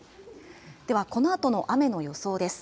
ではこのあとの雨の予想です。